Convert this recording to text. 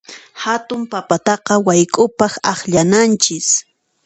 Hatun papataqa wayk'upaq akllananchis.